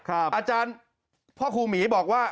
อาจารย์พ่อครูหมีบอกว่า